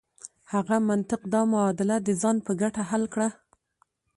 هغه منطق دا معادله د ځان په ګټه حل کړه.